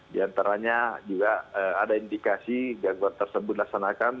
di antaranya juga ada indikasi gangguan tersebut dilaksanakan